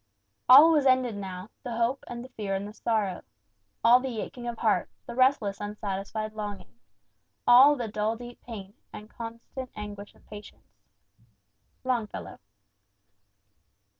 "All was ended now, the hope and the fear, and the sorrow; All the aching of heart, the restless unsatisfied longing, All the dull deep pain, and constant anguish of patience." Longfellow.